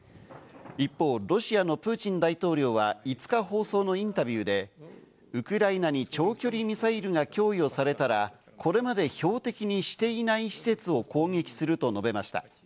一方、ロシアのプーチン大統領は、５日放送のインタビューで、ウクライナに長距離ミサイルが供与されたら、これまで標的にしていない施設を攻撃すると述べました。